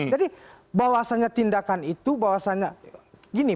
jadi bahwasanya tindakan itu bahwasanya gini